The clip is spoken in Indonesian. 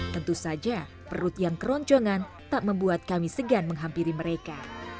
tentu saja perut yang keroncongan tak membuat kami segan menghampiri mereka